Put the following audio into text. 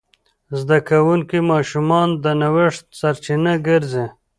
زده کوونکي ماشومان د نوښت سرچینه ګرځي.